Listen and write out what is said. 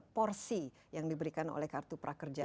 porsi yang diberikan oleh kartu prakerja